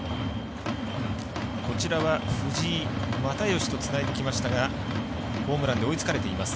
藤井、又吉とつないできましたがホームランで追いつかれています